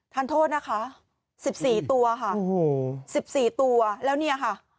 ท่านโทษนะคะ๑๔ตัวค่ะ๑๔ตัวแล้วเนี่ยค่ะ